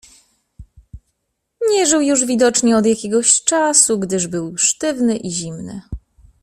"Nie żył już widocznie od jakiegoś czasu, gdyż był sztywny i zimny."